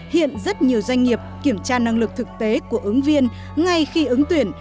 hiện rất nhiều doanh nghiệp kiểm tra năng lực thực tế của ứng viên ngay khi ứng tuyển